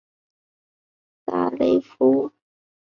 大雷夫。